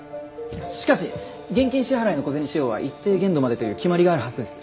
しかし現金支払いの小銭使用は一定限度までという決まりがあるはずです。